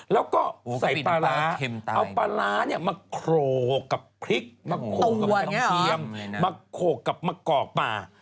แล้วก็ใส่ปลาร้าเอาปลาร้ามาโครกกับพริกมาโขกกับกระเทียมมาโขกกับมะกอกป่า